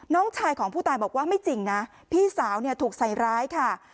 น้องชายของผู้ตายบอกว่าไม่จริงนะพี่สาวเนี่ยถูกใส่ร้ายค่ะ